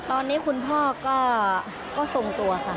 ตอนนี้ก็ก็ทรงตัวค่ะ